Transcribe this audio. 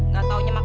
gak taunya meket